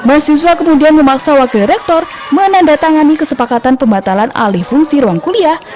mahasiswa kemudian memaksa wakil rektor menandatangani kesepakatan pembatalan alih fungsi ruang kuliah